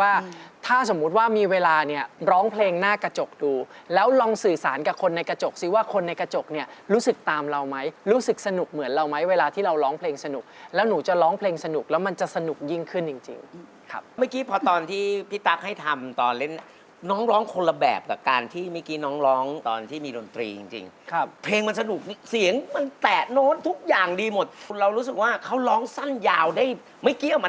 พี่ไอซ์หลับตาเนี่ยพี่ไอซ์หลับตาเนี่ยพี่ไอซ์หลับตาเนี่ยพี่ไอซ์หลับตาเนี่ยพี่ไอซ์หลับตาเนี่ยพี่ไอซ์หลับตาเนี่ยพี่ไอซ์หลับตาเนี่ยพี่ไอซ์หลับตาเนี่ยพี่ไอซ์หลับตาเนี่ยพี่ไอซ์หลับตาเนี่ยพี่ไอซ์หลับตาเนี่ยพี่ไอซ์หลับตาเนี่ยพี่ไอซ์หลับตาเนี่ย